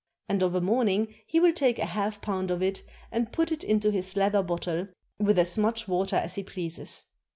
And of a morning he will take a half pound of it and put it into his leather bottle with as much water as he pleases.